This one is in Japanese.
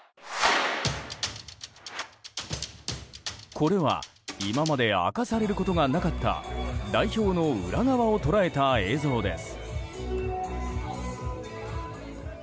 これは今まで明かされることがなかった代表の裏側を捉えた映像です。